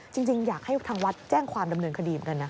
จริงอยากให้ทางวัดแจ้งความดำเนินคดีเหมือนกันนะ